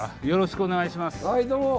よろしくお願いします。